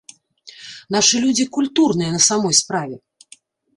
Нашы людзі культурныя на самой справе.